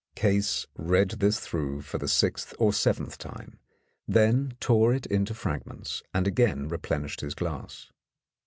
Case read this through for the sixth or seventh time, then tore it into fragments, and again replen ished his glass.